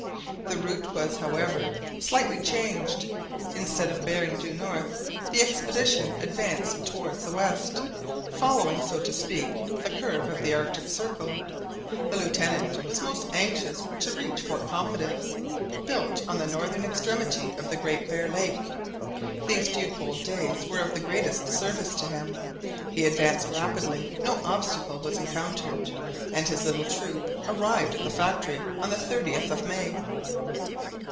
The route was, however, slightly changed. Instead of bearing due north, the expedition advanced towards the west, following, so to speak, the curve of the Arctic Circle. The Lieutenant was most anxious to reach Fort Confidence, built on the northern extremity of the Great Bear Lake. These few cold days were of the greatest service to him; he advanced rapidly, no obstacle was encountered, and his little troop arrived at the factory on the 30th May.